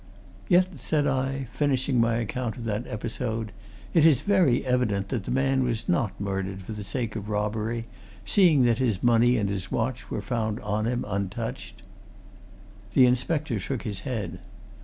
"Yet," said I, finishing my account of that episode, "it is very evident that the man was not murdered for the sake of robbery, seeing that his money and his watch were found on him untouched." The inspector shook his head.